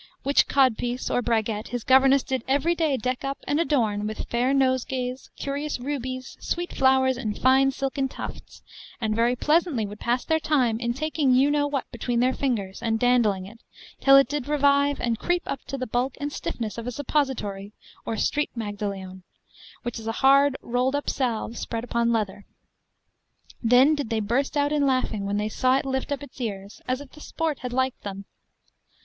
Which codpiece, or braguette, his governesses did every day deck up and adorn with fair nosegays, curious rubies, sweet flowers, and fine silken tufts, and very pleasantly would pass their time in taking you know what between their fingers, and dandling it, till it did revive and creep up to the bulk and stiffness of a suppository, or street magdaleon, which is a hard rolled up salve spread upon leather. Then did they burst out in laughing, when they saw it lift up its ears, as if the sport had liked them.